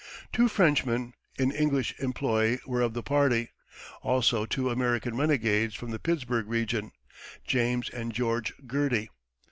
Two Frenchmen, in English employ, were of the party; also two American renegades from the Pittsburg region, James and George Girty.